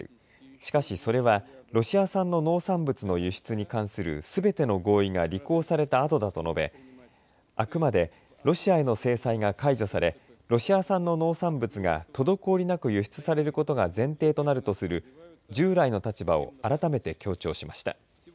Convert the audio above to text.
しかし、それはロシア産の農産物の輸出に関するすべての合意が履行されたあとだと述べあくまでロシアへの制裁が解除されロシア産の農産物が滞りなく輸出されることが前提となるとする従来の立場を改めて強調しました。